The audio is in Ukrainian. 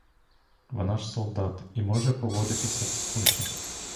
Вона ж солдат і може поводитись, як схоче.